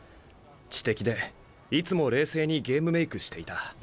知的でいつも冷静にゲームメークしていた。